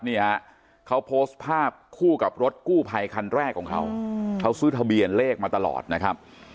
นี่ฮะเขาโพสต์ภาพคู่กับรถกู้ภัยคันแรกของเขาเขาซื้อทะเบียนเลขมาตลอดนะครับ